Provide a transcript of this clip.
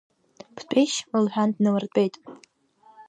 Бтәеишь, — лҳәан, дналыртәеит.